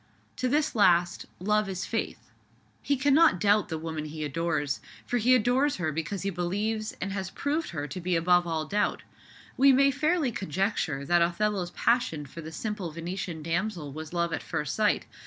To this last, love is faith. He cannot doubt the woman he adores: for he adores her because he believes and has proved her to be above all doubt. We may fairly conjecture that Othello's passion for the simple Venetian damsel was love at first sight.